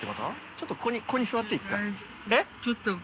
ちょっとここに座って一回。